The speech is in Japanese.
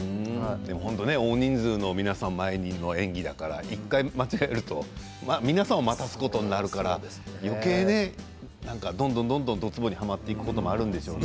本当に大人数の皆さんを前に演技だから１回、間違えると皆さんお待たせことになるからよけいねどんどん、どつぼにはまっていくこともあるんでしょうね。